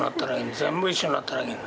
全部一緒になったらいいんだ。